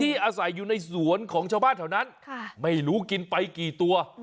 อาศัยอยู่ในสวนของชาวบ้านแถวนั้นไม่รู้กินไปกี่ตัว